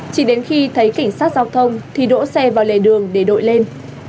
chỉ đến khi thấy cảnh sát giao thông thì đỗ xe vào lề đường để đội lên